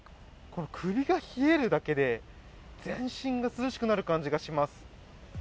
この首が冷えるだけで全身が涼しくなる感じがします。